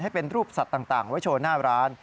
ให้เป็นรูปสัตว์ต่างไว้โชว์หน้าร้าน